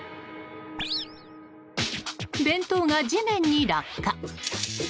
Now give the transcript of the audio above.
弁当が地面に落下。